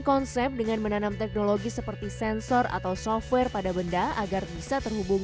konsep dengan menanam teknologi seperti sensor atau software pada benda agar bisa terhubung